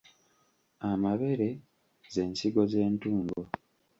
Amabere z’ensigo z’entungo.